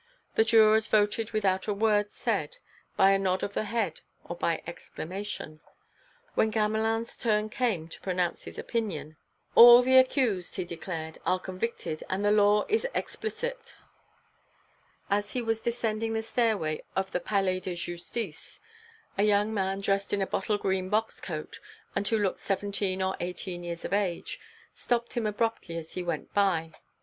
The jurors voted without a word said, by a nod of the head or by exclamation. When Gamelin's turn came to pronounce his opinion: "All the accused," he declared, "are convicted, and the law is explicit." As he was descending the stairway of the Palais de Justice, a young man dressed in a bottle green box coat, and who looked seventeen or eighteen years of age, stopped him abruptly as he went by.